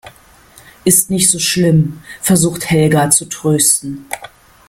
Ist nicht so schlimm, versucht Helga zu trösten.